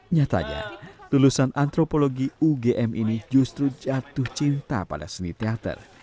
nyatanya lulusan antropologi ugm ini justru jatuh cinta pada seni teater